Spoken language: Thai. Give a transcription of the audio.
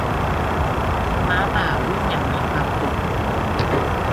ม้าป่า วิ่งอย่างมีความสุข